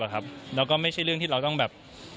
แล้วก็ไม่ใช่เรื่องที่เราต้องแบบ